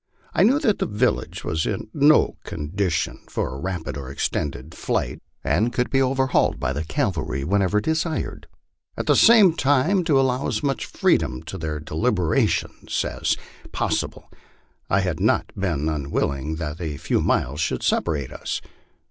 I knew that the village was in no condition for a rapid or extended flight, and could be overhauled by the cavalry whenever desired; at the same time, to allow as much freedom in their deliberations as possible, I had not been un willing that a few miles should separate us.